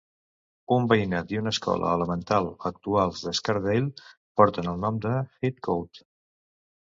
Un veïnat i una escola elemental actuals de Scarsdale porten el nom de Heathcote.